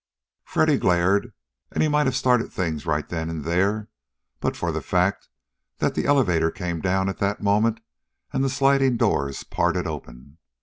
_" Freddy glared, and he might have started things right then and there but for the fact that the elevator came down at that moment and the sliding doors parted open.